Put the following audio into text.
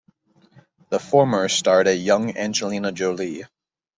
The former starred a young Angelina Jolie.